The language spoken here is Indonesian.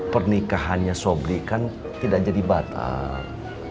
pernikahannya sobri kan tidak jadi batal